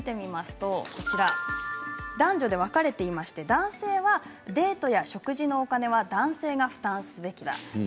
３位は男女で分かれていまして男性は、デートや食事のお金は男性が負担すべきだ。